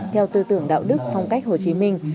theo tư tưởng đạo đức phong cách hồ chí minh